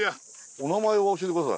お名前を教えて下さい。